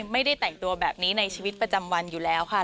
ไม่ได้แต่งตัวแบบนี้ในชีวิตประจำวันอยู่แล้วค่ะ